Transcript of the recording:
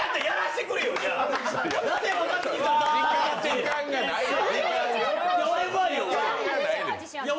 時間がないの。